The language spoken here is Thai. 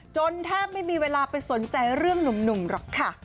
แทบไม่มีเวลาไปสนใจเรื่องหนุ่มหรอกค่ะ